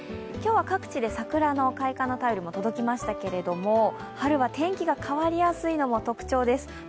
今日は各地で桜の開花の便りも届きましたけど春は天気が変わりやすいのも特徴です。